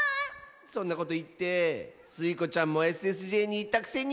そんなこといってスイ子ちゃんもＳＳＪにいったくせに。